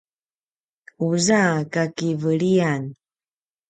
uza kakiveliyan